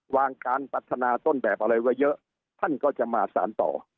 การพัฒนาต้นแบบอะไรไว้เยอะท่านก็จะมาสารต่อ